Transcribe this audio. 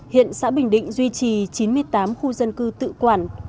hiện xã bình định duy trì chín mươi tám khu dân cư tự quản